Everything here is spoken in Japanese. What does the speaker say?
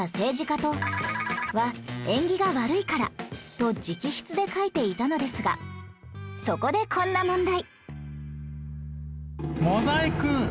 と直筆で書いていたのですがそこでこんな問題